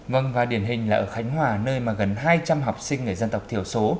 vâng và điển hình là ở khánh hòa nơi mà gần hai trăm linh học sinh người dân tộc thiểu số